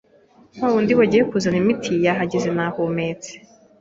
wa wundi wagiye kuzana imiti yahageze nahumetse